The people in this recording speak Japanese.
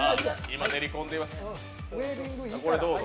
今、練り込んでいます。